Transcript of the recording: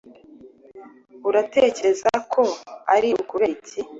Uratekereza ko ari ukubera iki